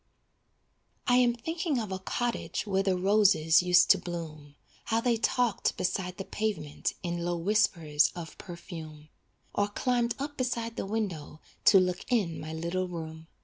I am thinking of a cottage Where the roses used to bloom, How they talked beside the pavement In low whispers of perfume, Or climbed up beside the window To look in my little room.